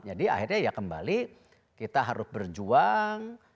jadi akhirnya ya kembali kita harus berjuang